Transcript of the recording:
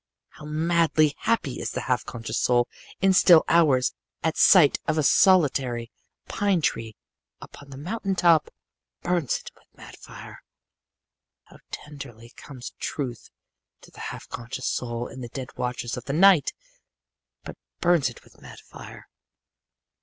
"How madly happy is the half conscious soul in still hours at sight of a solitary pine tree upon the mountain top! that burns it with mad fire. "How tenderly comes Truth to the half conscious soul in the dead watches of the night! but burns it with mad fire.